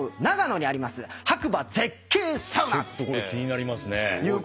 ちょっとこれ気になりますね。